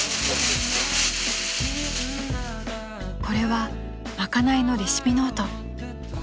［これは賄いのレシピノート］